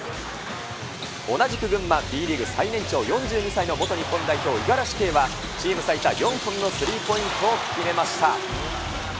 同じく群馬、Ｂリーグ最年長、４２歳の元日本代表、五十嵐圭は、チーム最多４本のスリーポイントを決めました。